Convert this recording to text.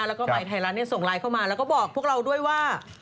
แล้วก็ไมค์ไทยรัฐส่งไลน์เข้ามาแล้วก็บอกพวกเราด้วยว่า